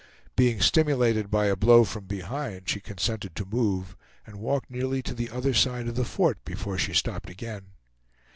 Being stimulated by a blow from behind she consented to move, and walked nearly to the other side of the fort before she stopped again.